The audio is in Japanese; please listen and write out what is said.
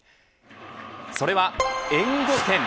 それは援護点。